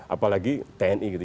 apalagi tni gitu